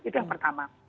itu yang pertama